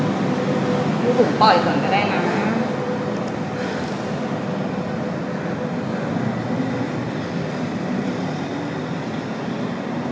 พี่หนุ่มปล่อยส่วนก็ได้นะคะ